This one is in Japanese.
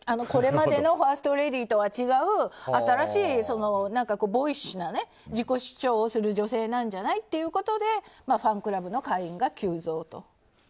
これまでのファーストレディーとは違う新しいボーイッシュな自己主張をする女性なんじゃないということでファンクラブの会員が急増と。